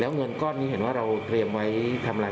เงินก้อนนี้เห็นว่าเราเตรียมไว้ทำอะไร